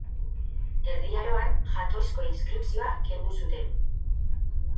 Erdi Aroan jatorrizko inskripzioa kendu zuten.